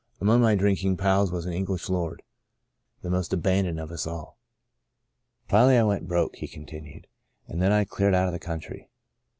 Among my drinking pals was an English lord — the most abandoned of us all. "Finally, I went broke," he continued, "and then I cleared out of the country.